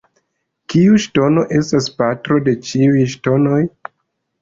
Kiu ŝtono estas patro de ĉiuj ŝtonoj?